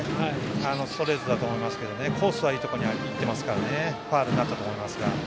ストレートだと思いますがコースはいいところに行っていますからファウルになったと思いますが。